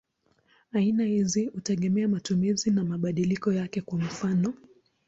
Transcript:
Aina hizi hutegemea matumizi na mabadiliko yake; kwa mfano.